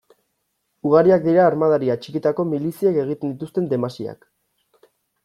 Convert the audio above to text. Ugariak dira armadari atxikitako miliziek egiten dituzten desmasiak.